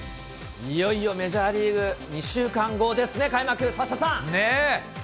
いよいよメジャーリーグ、２週間後ですね、開幕、サッシャさん。ねぇ！